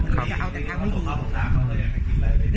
ไปแต่ทางไม่ดี